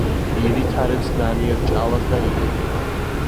ივითარებს განიერ ჭალას და იტოტება.